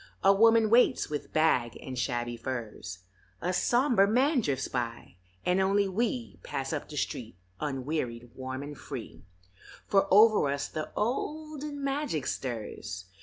A woman waits with bag and shabby furs, A somber man drifts by, and only we Pass up the street unwearied, warm and free, For over us the olden magic stirs.